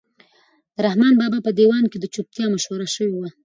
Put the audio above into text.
د رحمان بابا په دیوان کې د چوپتیا مشوره شوې وه.